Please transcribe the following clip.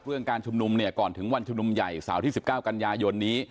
เรื่องการชุมนุมก่อนถึงวันชุมนุมใหญ่สาวที่สิบเก้ากันยายนนี้